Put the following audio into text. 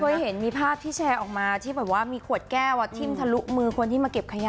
เคยเห็นมีภาพที่แชร์ออกมาที่แบบว่ามีขวดแก้วทิ้มทะลุมือคนที่มาเก็บขยะ